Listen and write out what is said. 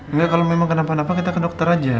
enggak kalau memang kenapa napa kita ke dokter aja